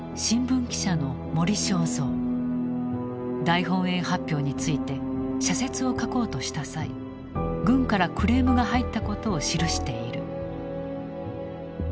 大本営発表について社説を書こうとした際軍からクレームが入ったことを記している。